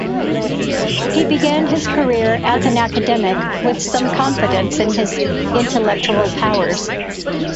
He began his career as an academic, with some confidence in his intellectual powers.